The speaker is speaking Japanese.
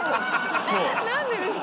何でですか？